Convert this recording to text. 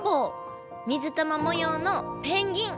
水玉もようのペンギン！